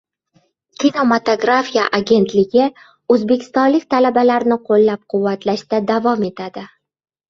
Kinematografiya agentligi o‘zbekistonlik talabalarni qo‘llab-quvvatlashda davom etadi